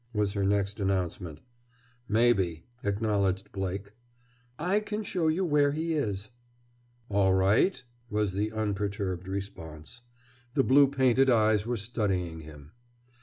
was her next announcement. "Maybe!" acknowledged Blake. "I can show you where he is!" "All right," was the unperturbed response. The blue painted eyes were studying him.